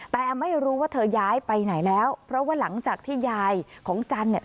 แต่ไม่รู้ว่าเธอย้ายไปไหนแล้วเพราะว่าหลังจากที่ยายของจันทร์เนี่ย